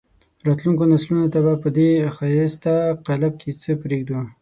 راتلونکو نسلونو ته به په دې ښایسته قالب کې څه پرېږدو.